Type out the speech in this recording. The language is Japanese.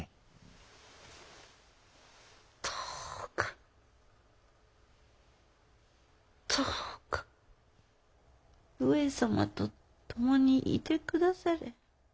どうかどうか上様と共にいて下され。